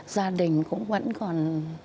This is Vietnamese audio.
gia đình cũng vẫn còn